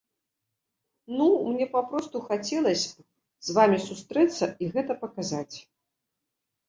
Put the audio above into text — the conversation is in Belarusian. Ну, мне папросту хацелася б з вамі сустрэцца і гэта паказаць.